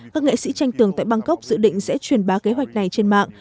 các nghệ sĩ tranh tường tại bangkok dự định sẽ chuyển bá kế hoạch này trên mạng